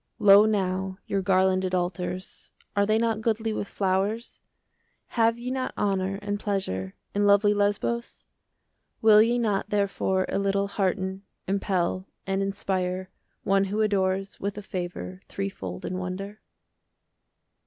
Lo now, your garlanded altars, 5 Are they not goodly with flowers? Have ye not honour and pleasure In lovely Lesbos? Will ye not, therefore, a little Hearten, impel, and inspire 10 One who adores, with a favour Threefold in wonder?